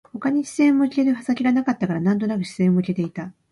他に視線を向ける先がなかったから、なんとなく視線を向けていた